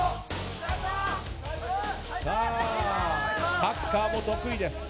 サッカーも得意です。